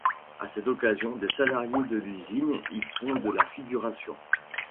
À cette occasion, des salariés de l'usine y font de la figuration.